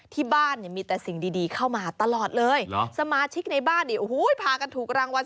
ที่บ้านมีแต่สิ่งดีเข้ามาตลอดเลยสมาชิกในบ้านพากันถูกรางวัล